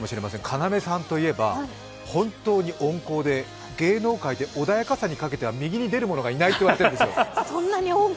要さんといえば本当に温厚で芸能界で穏やかさでかけては右に出る者はいないと。